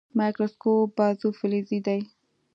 مایکروسکوپ بازو فلزي دی.